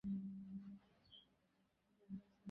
কারণ ভুল করে নতুন গাড়িখানা নিয়ে শোরুমেই ঢুকে পড়েন ওই ক্রেতা।